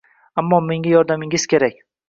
Ammo menga yordamingiz kerak